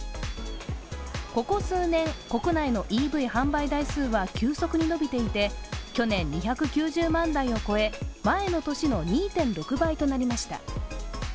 ここ数年、国内のＥＶ販売台数は急速に伸びていて去年２９０万台を超え、前の年の２．６倍となりました。